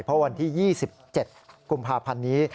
เพราะวันที่๒๗กุมภาพันธ์นี้